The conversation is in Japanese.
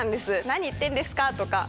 「何言ってんですか！」とか。